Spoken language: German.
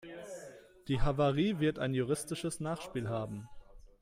Die Havarie wird ein juristisches Nachspiel haben.